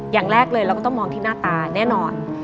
อย่างแรกเลยเราก็ต้องมองที่หน้าตาแน่นอน